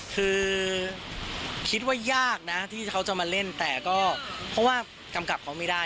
คือคิดว่ายากนะที่เขาจะมาเล่นแต่ก็เพราะว่ากำกับเขาไม่ได้